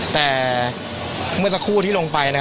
แต่เมื่อสักครู่ที่ลงไปนะครับ